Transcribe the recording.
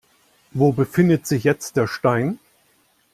Wo befindet sich jetzt der Stein?